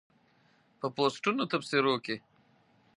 په پوسټونو تبصرو کې